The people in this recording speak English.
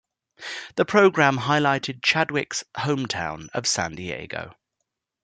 The program highlighted Chadwick's hometown of San Diego.